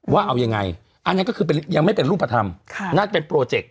ว่าเอายังไงอันนั้นก็คือยังไม่เป็นรูปธรรมนั่นเป็นโปรเจค